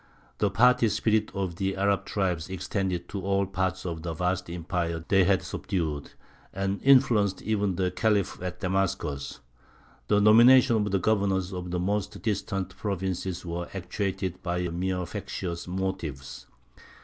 The party spirit of the Arab tribes extended to all parts of the vast empire they had subdued, and influenced even the Khalif at Damascus; the nomination of the governors of the most distant provinces was actuated by mere factious motives.